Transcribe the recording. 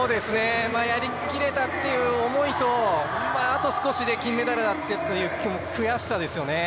やりきれたという思いとあと少しで金メダルだったという悔しさですよね。